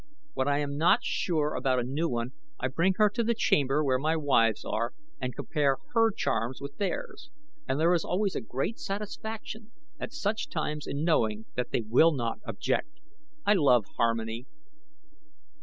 When I am not sure about a new one I bring her to the chamber where my wives are, and compare her charms with theirs, and there is always a great satisfaction at such times in knowing that they will not object. I love harmony."